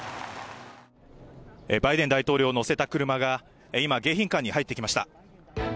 バイデン大統領を乗せた車が今、迎賓館に入ってきました。